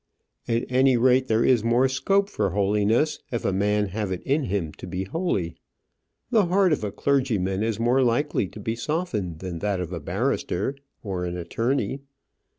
"At any rate, there is more scope for holiness if a man have it in him to be holy. The heart of a clergyman is more likely to be softened than that of a barrister or an attorney."